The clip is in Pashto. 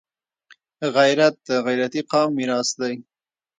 غیرت د غیرتي قام میراث دی